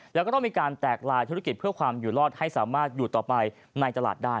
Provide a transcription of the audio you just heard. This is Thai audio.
แล้วก็ต้องมีการแตกลายธุรกิจเพื่อความอยู่รอดให้สามารถอยู่ต่อไปในตลาดได้